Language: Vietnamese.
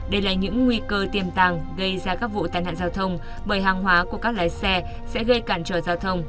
đây là những nguy cơ tiềm tàng gây ra các vụ tai nạn giao thông bởi hàng hóa của các lái xe sẽ gây cản trở giao thông